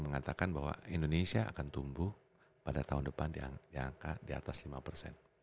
mengatakan bahwa indonesia akan tumbuh pada tahun depan di angka di atas lima persen